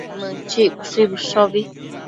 Mënchiccoshi bëshobi